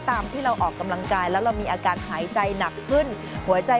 ตามที่เราออกกำลังกายแล้วเรามีอาการหายใจหนักขึ้นหัวใจ